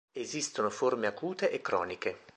Esistono forme acute e croniche.